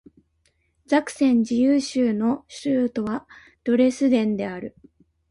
ザクセン自由州の州都はドレスデンである